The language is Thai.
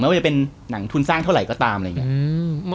ว่าจะเป็นหนังทุนสร้างเท่าไหร่ก็ตามอะไรอย่างนี้